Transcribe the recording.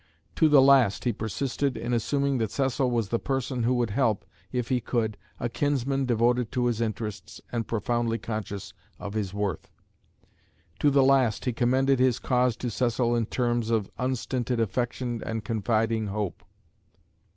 To the last he persisted in assuming that Cecil was the person who would help, if he could, a kinsman devoted to his interests and profoundly conscious of his worth. To the last he commended his cause to Cecil in terms of unstinted affection and confiding hope.